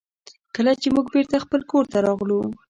کله چې موږ بېرته خپل کور ته راغلو.